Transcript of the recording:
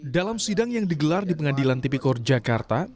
dalam sidang yang digelar di pengadilan tipikor jakarta